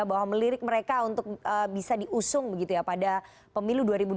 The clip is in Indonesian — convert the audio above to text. bahwa melirik mereka untuk bisa diusung pada pemilu dua ribu dua puluh empat